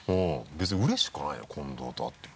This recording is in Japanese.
別にうれしくはないな近藤と会っても。